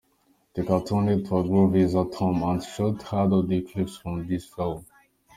The Cartoon Network "Groovies" Atom Ant short had audio clips from this film.